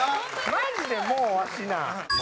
マジでもうわしな。